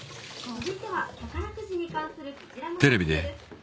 「続いては宝くじに関するこちらの特集です」